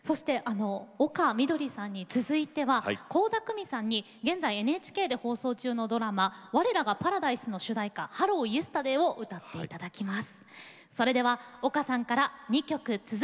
丘みどりさんに続いては倖田來未さんに現在ＮＨＫで放送中のドラマ「我らがパラダイス」の主題歌「ＨｅｌｌｏＹｅｓｔｅｒｄａｙ」を歌っていただきます。